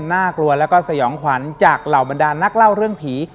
น่ากลัวแล้วก็สยองขวัญจากเหล่าบรรดานนักเล่าเรื่องผี